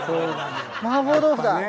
麻婆豆腐だ。